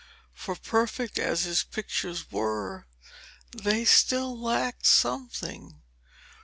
For, perfect as his pictures were, they still lacked something.